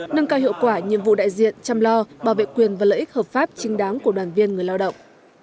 nâng cao hiệu quả nhiệm vụ đại diện chăm lo bảo vệ quyền và lợi ích hợp pháp chính đáng của đoàn viên người lao động